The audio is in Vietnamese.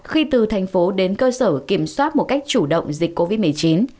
khi từ thành phố đến cơ sở kiểm soát một cách chủ động dịch covid một mươi chín